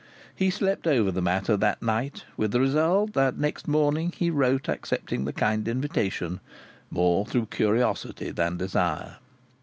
He slept over the matter that night, with the result that next morning he wrote accepting the kind invitation, more through curiosity than desire.